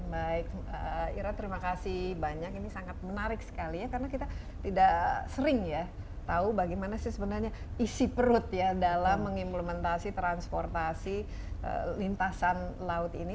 baik ira terima kasih banyak ini sangat menarik sekali ya karena kita tidak sering ya tahu bagaimana sih sebenarnya isi perut ya dalam mengimplementasi transportasi lintasan laut ini